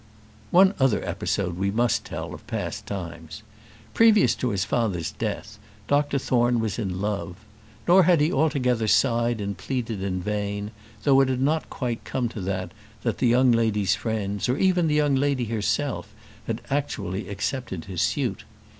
One other episode we must tell of past times. Previous to his father's death, Dr Thorne was in love. Nor had he altogether sighed and pleaded in vain; though it had not quite come to that, that the young lady's friends, or even the young lady herself, had actually accepted his suit.